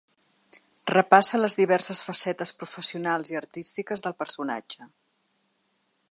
Repassa les diverses facetes professionals i artístiques del personatge.